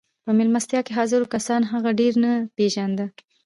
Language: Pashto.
په مېلمستيا کې حاضرو کسانو هغه ډېر نه پېژانده.